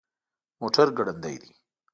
موټر ګړندی دی